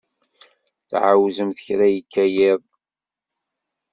Tɛawzemt kra yekka yiḍ?